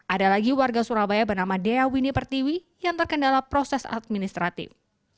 ada lagi warga surabaya bernama dea wini pertiwi yang terkendala proses administratif